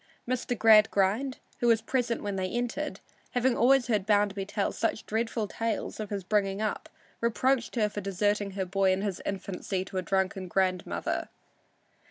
Mr. Gradgrind, who was present when they entered, having always heard Bounderby tell such dreadful tales of his bringing up, reproached her for deserting her boy in his infancy to a drunken grandmother.